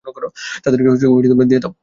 তাদেরকে দিয়ে দাও।